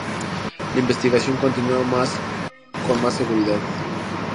La investigación continúa más con más seguridad.